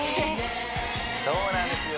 そうなんですよ